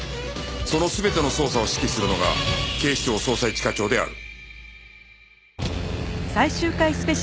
その全ての捜査を指揮するのが警視庁捜査一課長である